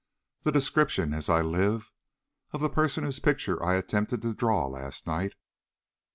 "The description, as I live, of the person whose picture I attempted to draw last night."